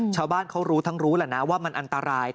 ชาวบ้านเขารู้ทั้งรู้แหละนะว่ามันอันตราย